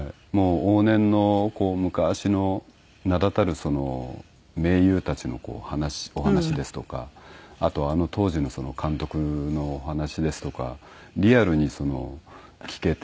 往年の昔の名だたる名優たちのお話ですとかあとはあの当時の監督のお話ですとかリアルに聞けて。